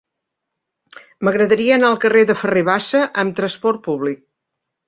M'agradaria anar al carrer de Ferrer Bassa amb trasport públic.